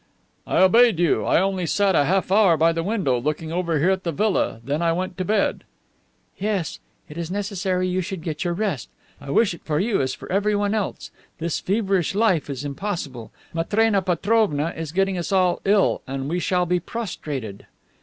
"I obeyed you; I only sat a half hour by the window looking over here at the villa, and then I went to bed." "Yes, it is necessary you should get your rest. I wish it for you as for everyone else. This feverish life is impossible. Matrena Petrovna is getting us all ill, and we shall be prostrated."